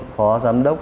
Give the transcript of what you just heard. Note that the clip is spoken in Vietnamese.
phó giám đốc